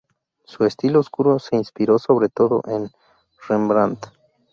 Su estilo oscuro se inspiró sobre todo en Rembrandt.